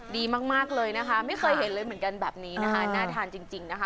ดีมากเลยนะคะไม่เคยเห็นเลยเหมือนกันแบบนี้นะคะน่าทานจริงนะคะ